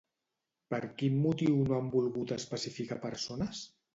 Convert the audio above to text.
Per quin motiu no han volgut especificar persones?